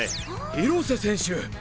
廣瀬選手！